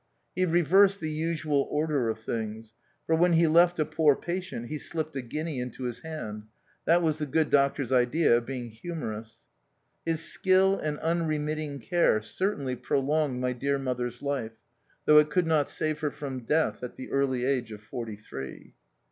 He 60 THE OUTCAST. reversed the usual order of tilings, for when he left a poor patient he slipped a guinea into his hand : that was the good doctor's idea of being humorous. His skill and unremitting care certainly prolonged my dear mother's life, though it could not save her from death at the early age of forty three.